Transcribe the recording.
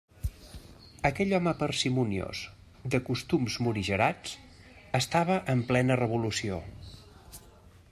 Aquell home parsimoniós, de costums morigerats, estava en plena revolució.